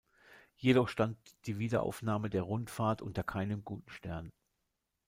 Jedoch stand die Wiederaufnahme der Rundfahrt unter keinem guten Stern.